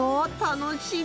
楽しみ！